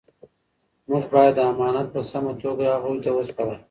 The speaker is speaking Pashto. موږ باید دا امانت په سمه توګه هغوی ته وسپارو.